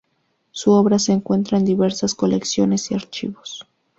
Su obra se encuentra en diversas colecciones y archivos.